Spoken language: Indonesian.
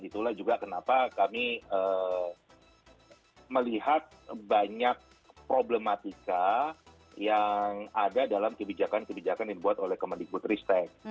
itulah juga kenapa kami melihat banyak problematika yang ada dalam kebijakan kebijakan dibuat oleh kemendikbud ristek